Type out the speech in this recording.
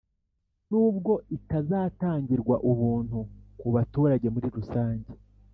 n'ubwo itazatangirwa ubuntu ku baturage muri rusange